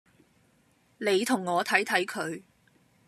你同我睇睇佢